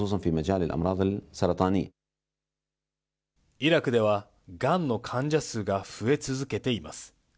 イラクでは、がんの患者数が増え続けています。